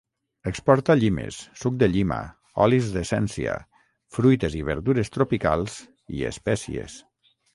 Exporta llimes, suc de llima, olis d'essència, fruites i verdures tropicals i espècies.